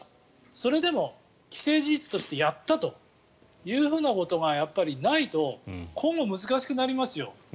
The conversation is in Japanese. それでも既成事実としてやったということがやっぱり、ないと今後、難しくなりますよ。